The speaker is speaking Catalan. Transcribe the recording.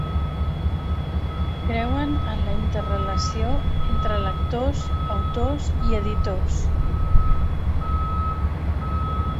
Creuen en la interrelació entre lectors, autors i editors.